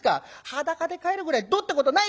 裸で帰るぐらいどうってことないでしょ！